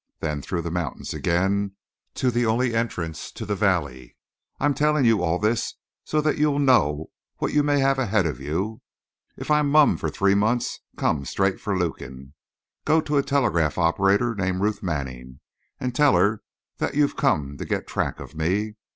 Then through the mountains again to the only entrance to the valley. I'm telling you all this so that you'll know what you may have ahead of you. If I'm mum for three months come straight for Lukin; go to a telegraph operator named Ruth Manning, and tell her that you've come to get track of me.